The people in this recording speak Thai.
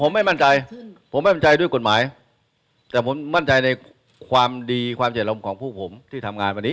ผมไม่มั่นใจผมไม่มั่นใจด้วยกฎหมายแต่ผมมั่นใจในความดีความเสียดลมของพวกผมที่ทำงานวันนี้